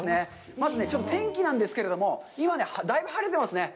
まず、天気なんですけれども、今ね、だいぶ晴れてますね。